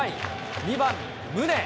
２番宗。